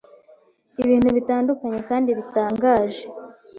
ibintu bitandukanye kandi bitangaje